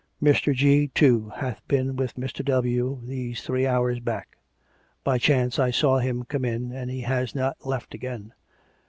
Mr. G., too, hath been with Mr. W. this three hours back. By chance I saw him come in, and he has not yet left again.